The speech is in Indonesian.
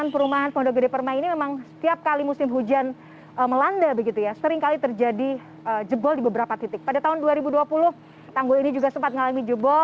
pondok gede permai jatiasi pada minggu pagi